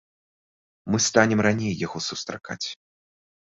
Мы станем раней яго сустракаць.